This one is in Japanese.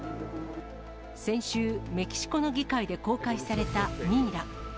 先週、メキシコの議会で公開されたミイラ。